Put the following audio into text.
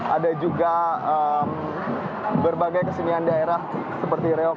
ada juga berbagai kesenian daerah seperti reok